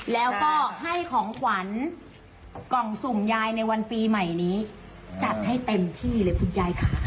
แล้วก็ให้ของขวัญกล่องสุ่มยายในวันปีใหม่นี้จัดให้เต็มที่เลยคุณยายค่ะ